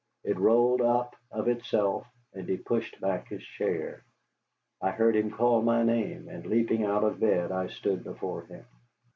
It rolled up of itself, and he pushed back his chair. I heard him call my name, and leaping out of bed, I stood before him.